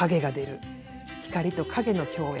光と影の共演。